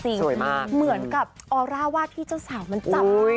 เหมือนกับออร่าว่าที่เจ้าสาวมันจับไว้